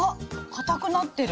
かたくなってる。